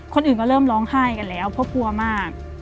คนอื่นก็เริ่มร้องไห้กันแล้วเพราะกลัวมาก